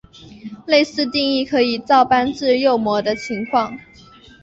类似定义可以照搬至右模的情况。